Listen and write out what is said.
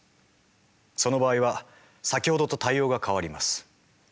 その場合は先ほどと対応が変わります。